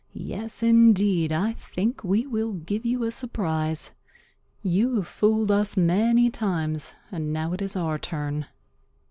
Yes, indeed, I think we will give you a surprise. You have fooled us many times, and now it is our turn."